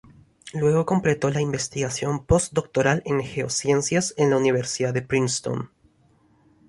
Luego completó la investigación postdoctoral en geociencias en la Universidad de Princeton.